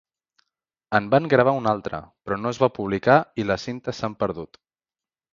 En van gravar un altre, però no es va publicar i les cintes s'han perdut.